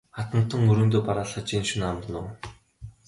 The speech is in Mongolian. Хатантан өргөөндөө бараалхаж энэ шөнө амарна уу?